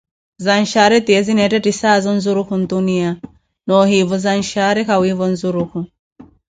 zanshara tiye zineettetisaazo nzuruku ntuniya, noohivo zanshara kawiivo nzurukhu.